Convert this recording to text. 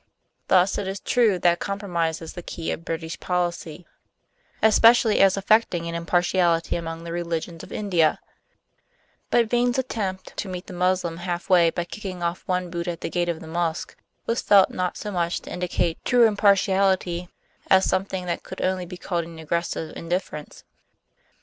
Thus it is true that compromise is the key of British policy, especially as effecting an impartiality among the religions of India; but Vane's attempt to meet the Moslem halfway by kicking off one boot at the gates of the mosque, was felt not so much to indicate true impartiality as something that could only be called an aggressive indifference.